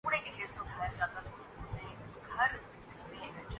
ممالک کی تاریخ کے بارے میں بتایا ہے